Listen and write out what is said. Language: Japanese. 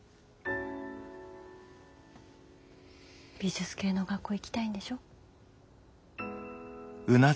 美術系の学校行きたいんでしょ？